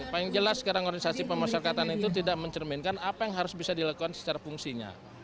paling jelas sekarang organisasi pemasyarakatan itu tidak mencerminkan apa yang harus bisa dilakukan secara fungsinya